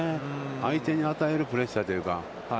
相手に与えるプレッシャーというか。